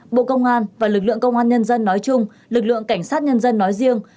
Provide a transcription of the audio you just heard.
bộ công an và lực lượng công an nhân dân nói chung lực lượng cảnh sát nhân dân nói riêng